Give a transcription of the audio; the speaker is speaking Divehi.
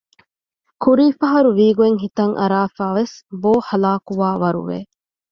ކުރީފަހަރު ވިގޮތް ހިތަށް އަރައިފަވެސް ބޯ ހަލާކުވާ ވަރު ވެ